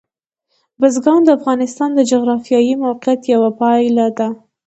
بزګان د افغانستان د جغرافیایي موقیعت یوه پایله ده.